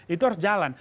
itu harus jalan